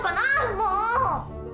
もう！